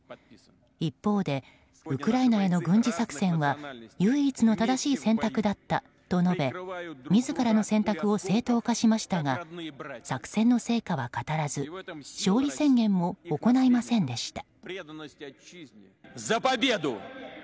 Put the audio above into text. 一方でウクライナへの軍事作戦は唯一の正しい選択だったと述べ自らの選択を正当化しましたが作戦の成果は語らず勝利宣言も行いませんでした。